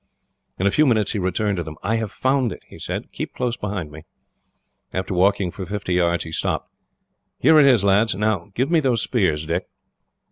In a few minutes he returned to them. "I have found it," he said. "Keep close behind me." After walking for fifty yards, he stopped. "Here it is, lads. "Now give me those spears, Dick."